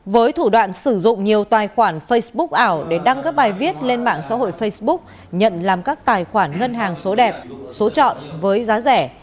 với thủ đoạn sử dụng nhiều tài khoản facebook ảo để đăng các bài viết lên mạng xã hội facebook nhận làm các tài khoản ngân hàng số đẹp số chọn với giá rẻ